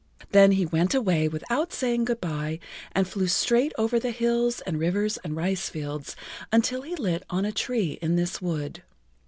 Then he went away without saying good by and flew straight over the hills and rivers and rice fields until he lit on a tree in this wood.